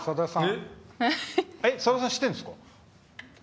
さださん知ってるんですか。